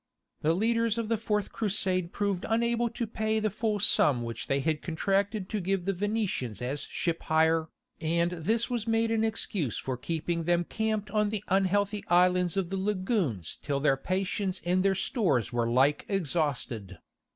The leaders of the Fourth Crusade proved unable to pay the full sum which they had contracted to give the Venetians as ship hire, and this was made an excuse for keeping them camped on the unhealthy islands in the Lagoons till their patience and their stores were alike exhausted.